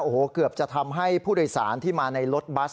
โอ้โหเกือบจะทำให้ผู้โดยสารที่มาในรถบัส